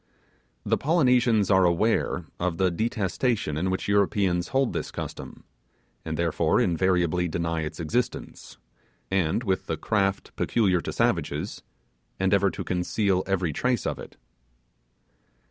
The Polynesians are aware of the detestation in which Europeans hold this custom, and therefore invariably deny its existence, and with the craft peculiar to savages, endeavour to conceal every trace of it.